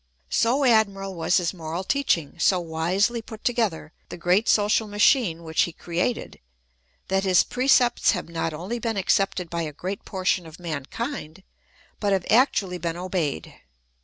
So admirable was his moral teaching, so wisely put together the great social machine which he created, that his precepts have not only been accepted by a great portion of mankind, but have actually been obeyed.